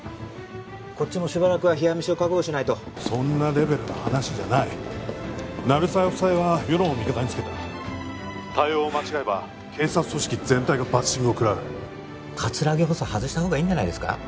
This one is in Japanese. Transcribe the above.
こっちもしばらくは冷や飯を覚悟しないとそんなレベルの話じゃない鳴沢夫妻は世論を味方につけた☎対応を間違えば警察組織全体がバッシングを食らう葛城補佐外した方がいいんじゃないですか？